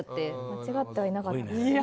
間違ってはいなかったんですね。